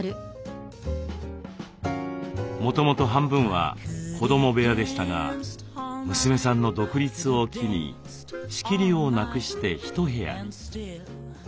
もともと半分は子ども部屋でしたが娘さんの独立を機に仕切りをなくして１部屋に。